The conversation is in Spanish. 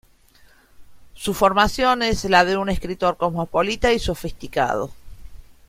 Su formación es la de un escritor cosmopolita y sofisticado.